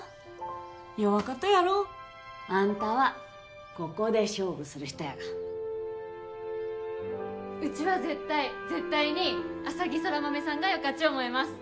弱かとやろアンタはここで勝負する人やがウチは絶対絶対に浅葱空豆さんがよかち思います